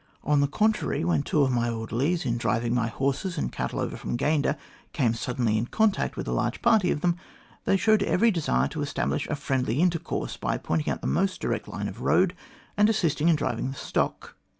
On the contrary, when two of my orderlies, in driving my horses and cattle over from Gayndah, came suddenly in contact with a large party of them, they showed every desire to establish a friendly intercourse by pointing out the most direct line of road, and assisting in driving the stock.